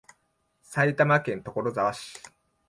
埼玉県所沢市